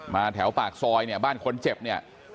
แถวปากซอยเนี่ยบ้านคนเจ็บเนี่ย